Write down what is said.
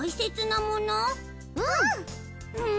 うん！